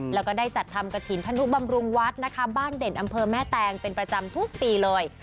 แล้วก็ได้จัดทำกระถิ่นธนุบำรุงวัดนะคะบ้านเด่นอำเภอแม่แตงเป็นประจำทุกปีเลย